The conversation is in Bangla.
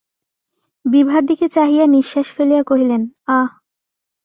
বিভার দিকে চাহিয়া নিশ্বাস ফেলিয়া কহিলেন, আঃ!